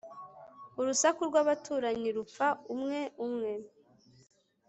urusaku rw'abaturanyi rupfa umwe umwe